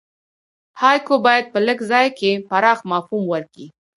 هایکو باید په لږ ځای کښي پراخ مفهوم ورکي.